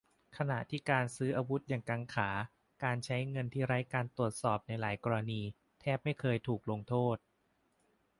ขณะที่การซื้ออาวุธอย่างกังขา การใช้เงินที่ไร้การตรวจสอบในหลายกรณี แทบไม่เคยถูกลงโทษ